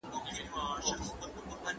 که هر څو یې پښې تڼاکي په ځغستا کړې